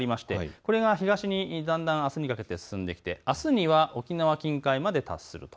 これが東にだんだんあすにかけて進んできてあすには沖縄近海まで達する。